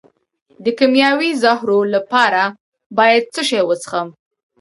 د کیمیاوي زهرو لپاره باید څه شی وڅښم؟